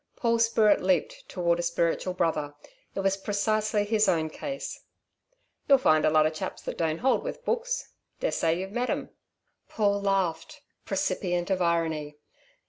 Paul's spirit leaped toward a spiritual brother. It was precisely his own case. "You'll find a lot of chaps that don't hold with books. Dessay you've met 'em?" Paul laughed, precipient of irony.